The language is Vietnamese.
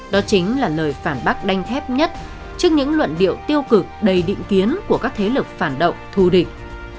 đó chính là lời phản bác đánh thép nhất trước những luận điệu tiêu cực đầy định kiến của các thế lực phản động thù địch